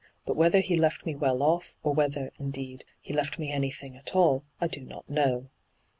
' But whether he left me well off, or whether, indeed, he left me anything at all, I do not know.'